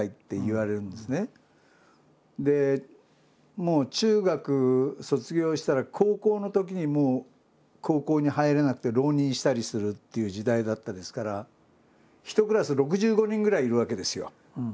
もう中学卒業したら高校のときにもう高校に入れなくて浪人したりするっていう時代だったですから１クラス６５人ぐらいいるわけですよ。